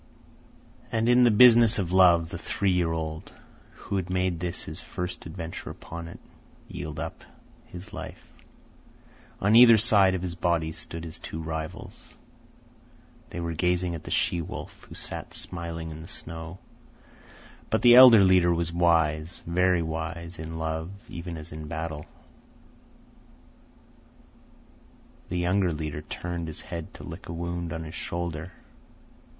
And in the business of love the three year old, who had made this his first adventure upon it, yielded up his life. On either side of his body stood his two rivals. They were gazing at the she wolf, who sat smiling in the snow. But the elder leader was wise, very wise, in love even as in battle. The younger leader turned his head to lick a wound on his shoulder.